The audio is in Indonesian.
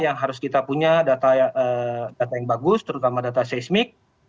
yang harus kita punya data yang bagus terutama data seismik